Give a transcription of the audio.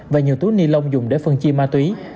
và nhiều túi ni lông dùng để phân chi ma túy